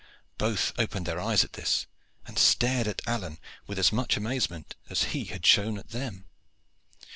Both opened their eyes at this, and stared at Alleyne with as much amazement as he had shown at them.